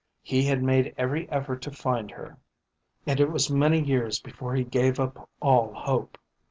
He had made every effort to find her and it was many years before he gave up all hope.